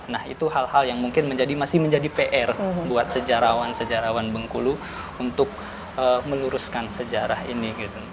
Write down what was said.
nah itu hal hal yang mungkin masih menjadi pr buat sejarawan sejarawan bengkulu untuk meluruskan sejarah ini